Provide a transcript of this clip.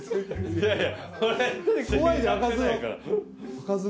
いやいや。